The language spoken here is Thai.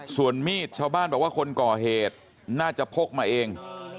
ส่วนมีดชาวบ้านบอกว่าคนก่อเหตุน่าจะพกมาเอง